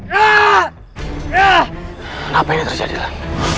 kenapa ini terjadilah